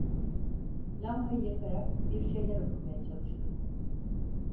Lambayı yakarak bir şeyler okumaya çalıştım.